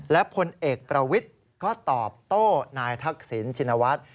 และพลเอกประวิทย์ก็ตอบโต้นายทักษิณชินวัฒน์